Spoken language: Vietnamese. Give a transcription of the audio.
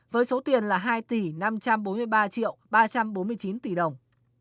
với số tiền là hai tỷ năm trăm bốn mươi ba triệu ba trăm bốn mươi chín tỷ đồng